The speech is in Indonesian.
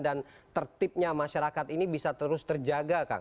dan tertibnya masyarakat ini bisa terus terjaga kang